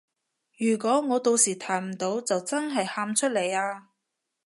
如果我到時彈唔到就真係喊出嚟啊